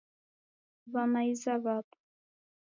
W'amaiza w'apo.